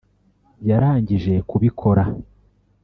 yarangije kubikora